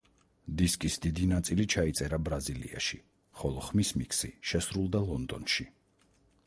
დისკის დიდი ნაწილი ჩაიწერა ბრაზილიაში, ხოლო ხმის მიქსი შესრულდა ლონდონში.